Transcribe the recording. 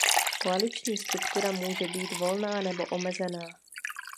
Koaliční struktura může být volná nebo omezená.